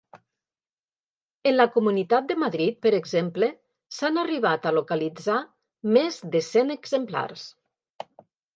En la comunitat de Madrid, per exemple, s'han arribat a localitzar més de cent exemplars.